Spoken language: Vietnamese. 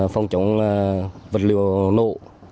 phòng chống vật liệu nộ